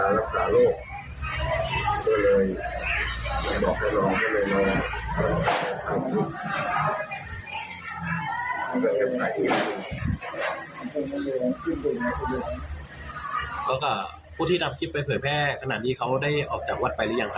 แล้วก็ผู้ที่นำคลิปไปเผยแพร่ขนาดนี้เขาได้ออกจากวัดไปหรือยังคะ